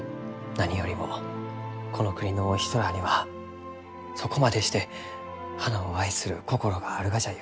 何よりもこの国のお人らあにはそこまでして花を愛する心があるがじゃゆうて。